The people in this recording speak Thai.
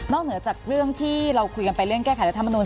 เหนือจากเรื่องที่เราคุยกันไปเรื่องแก้ไขรัฐมนุน